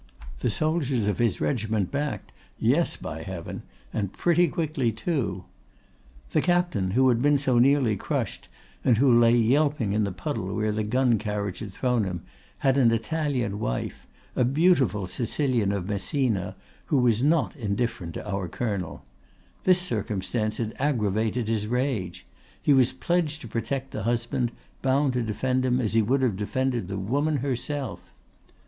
The soldiers of his regiment backed—yes, by heaven, and pretty quickly too. "The captain, who had been so nearly crushed, and who lay yelping in the puddle where the gun carriage had thrown him, had an Italian wife, a beautiful Sicilian of Messina, who was not indifferent to our Colonel. This circumstance had aggravated his rage. He was pledged to protect the husband, bound to defend him as he would have defended the woman herself.